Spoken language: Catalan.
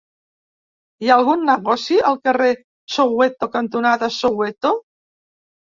Hi ha algun negoci al carrer Soweto cantonada Soweto?